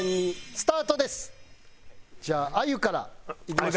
じゃああゆからいきましょう。